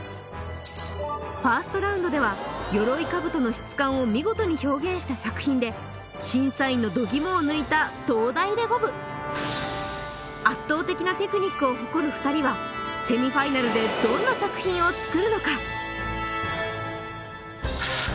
ファーストラウンドでは鎧兜の質感を見事に表現した作品で審査員のド肝を抜いた東大レゴ部を誇る２人はセミファイナルでそんなかなって感じですね